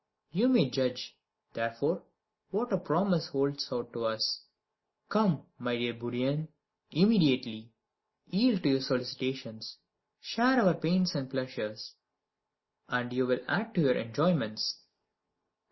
You may judge, therefore, what a promise it holds out to us. Come, my dear Bourrienne, immediately yield to our solicitations share our pains and pleasures, and you will add to our enjoyments.